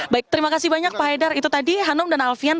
baik terima kasih banyak pak haidar itu tadi hanum dan alfian